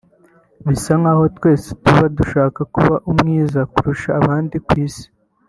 bisa nkaho twese tuba dushaka kuba umwiza kurusha abandi ku isi